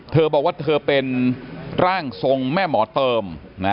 เธอบอกว่าเธอเป็นร่างทรงแม่หมอเติม